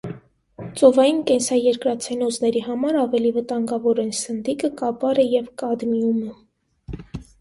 Ծովային կենսաերկրացենոզների համար ավել վտանգավոր են սնդիկը, կապարը և կադմիումը։